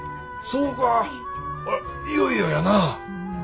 そうかいよいよやな。